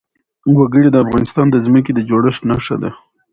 وګړي د افغانستان د ځمکې د جوړښت نښه ده.